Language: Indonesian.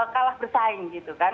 kalah bersaing gitu kan